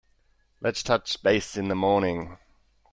Let's touch base in the morning.